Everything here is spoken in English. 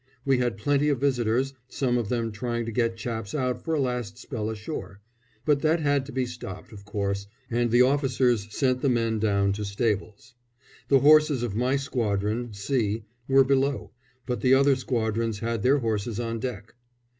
We had plenty of visitors, some of them trying to get chaps out for a last spell ashore; but that had to be stopped, of course, and the officers sent the men down to stables. The horses of my squadron, C, were below; but the other squadrons had their horses on deck.